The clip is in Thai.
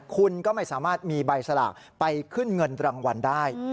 คุณก็ไม่สามารถมีใบสลากไปขึ้นเงินรางวัลได้